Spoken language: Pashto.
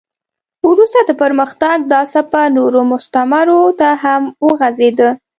وروسته د پرمختګ دا څپه نورو مستعمرو ته هم وغځېده.